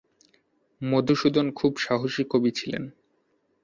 মধুসূদন খুব সাহসী কবি ছিলেন।